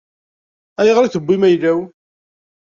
Ayɣer i tewwim ayla-w?